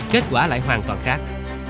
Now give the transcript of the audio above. kết quả lại hoàn toàn khác